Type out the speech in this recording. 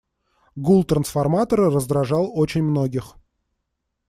Гул трансформатора раздражал очень многих.